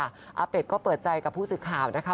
อาเป็ดก็เปิดใจกับผู้สื่อข่าวนะคะ